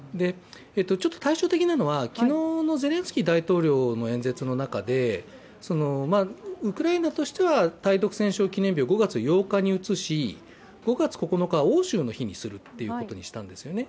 対象的なのは、昨日のゼレンスキー大統領の演説の中でウクライナとしては対独戦勝記念日を５月８日に移し、５月９日は欧州の日にするということにしたんですよね。